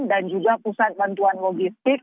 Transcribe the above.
dan juga pusat bantuan logistik